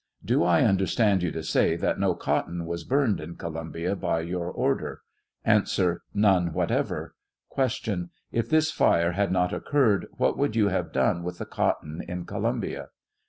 Do I understand you to say that no cotton was burned in Columbia by your order ? A. None whatever. Q. If this fire had not. occurred, what would you have done with the cotton in Columbia